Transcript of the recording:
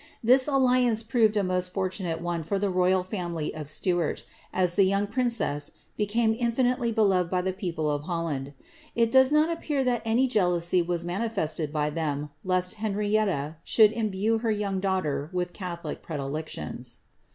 This alliance proved a most fortunate one for the royal family of Stuart, as the young princess became infmitely beloved by the pooj)le of Holland. It does not appear that any jealousy was manifested by them, lest Henrietta should imbue her young daughter with catholic predilections.